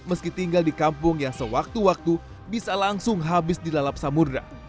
meski tinggal di kampung yang sewaktu waktu bisa langsung habis dilalap samudera